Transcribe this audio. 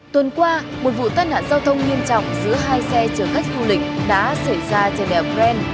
tuần qua một vụ tai nạn giao thông nghiêm trọng giữa hai xe chở khách du lịch đã xảy ra trên đèo bren